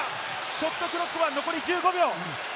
ショットクロックは残り１５秒。